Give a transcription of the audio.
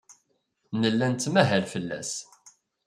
Nella nettmahal fell-as.